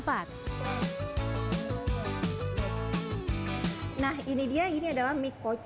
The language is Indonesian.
yang legend banget di bandung